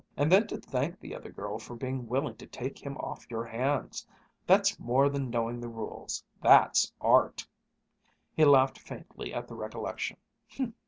And then to thank the other girl for being willing to take him off your hands, that's more than knowing the rules, that's art!" He laughed faintly at the recollection.